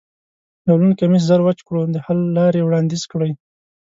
یو لوند کمیس زر وچ کړو، د حل لارې وړاندیز کړئ.